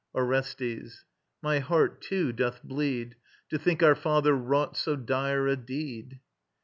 ORESTES. My heart too doth bleed, To think our father wrought so dire a deed.